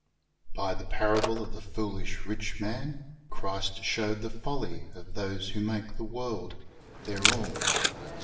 By the parable of the foolish rich man, Christ showed the folly of those who make the world their all.